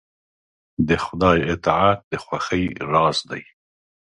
د خدای اطاعت د خوښۍ راز دی.